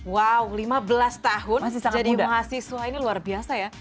wow lima belas tahun jadi mahasiswa ini luar biasa ya